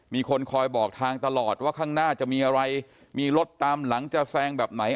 มีคนคอยบอกทางตลอดว่าข้างหน้าจะมีอะไรมีรถตามหลังจะแซงแบบไหน